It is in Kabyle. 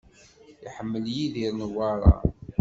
Iḥemmel Yidir Newwara.